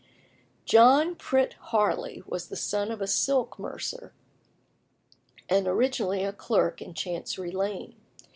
John Pritt Harley was the son of a silk mercer, and originally a clerk in Chancery Lane.